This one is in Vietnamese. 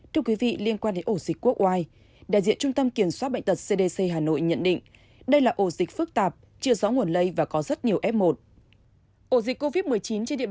thưa quý vị liên quan đến ổ dịch quốc oai đại diện trung tâm kiểm soát bệnh tật cdc hà nội nhận định đây là ổ dịch phức tạp chưa rõ nguồn lây và có rất nhiều f một